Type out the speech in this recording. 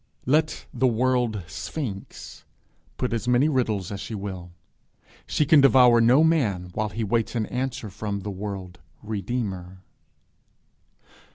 Let the world sphinx put as many riddles as she will, she can devour no man while he waits an answer from the world redeemer.